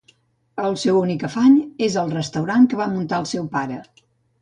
El seu únic afany és el restaurant que va muntar el seu pare.